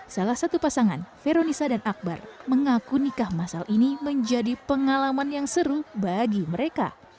salah satu pasangan veronisa dan akbar mengaku nikah masal ini menjadi pengalaman yang seru bagi mereka